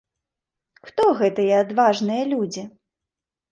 Хто гэтыя адважныя людзі?